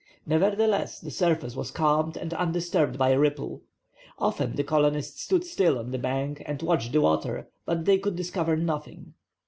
Nevertheless the surface was calm and undisturbed by a ripple. Often the colonists stood still on the bank and watched the water, but they could discover nothing.